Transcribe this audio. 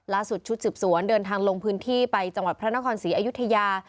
ชุดสืบสวนเดินทางลงพื้นที่ไปจังหวัดพระนครศรีอยุธยา